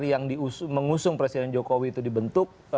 yang mengusung presiden jokowi itu dibentuk